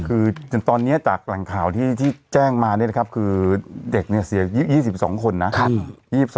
คือตอนนี้จากแหล่งข่าวที่แจ้งมาคือเด็กเนี่ยเสีย๒๒คนนะครับ